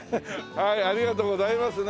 はいありがとうございますね。